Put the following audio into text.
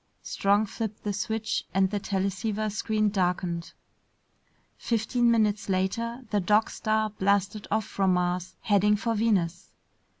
Strong flipped the switch and the teleceiver screen darkened. Fifteen minutes later, the Dog Star blasted off from Mars, heading for Venus.